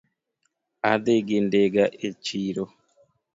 Adhi gi ndiga e chiro